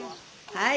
はい。